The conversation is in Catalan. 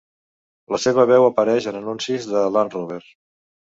La seva veu apareix en anuncis de Land Rover.